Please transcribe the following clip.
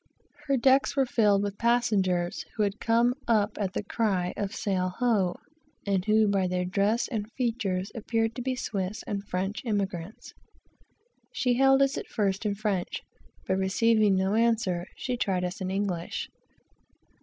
Her decks were filled with passengers who had come up at the cry of "sail ho," and who by their dress and features appeared to be Swiss and French emigrants. She hailed us at first in French, but receiving no answer, she tried us in English.